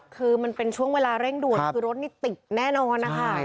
คือมันเป็นช่วงเวลาเร่งด่วนคือรถนี่ติดแน่นอนนะคะ